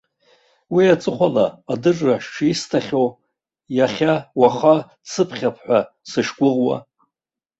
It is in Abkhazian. Уи аҵыхәала адырра шисҭахьоу, иахьа-уаха дсыԥхьап ҳәа сышгәыӷуа.